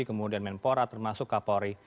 kemudian menpora termasuk kapolri